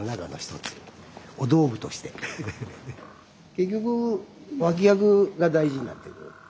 結局脇役が大事になってくる。